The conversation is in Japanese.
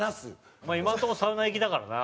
お前今のとこサウナ行きだからな。